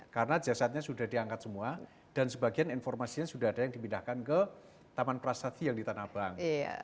karena jasadnya sudah diangkat semua dan sebagian informasinya sudah ada yang dipindahkan ke taman prasasti yang di tanah abang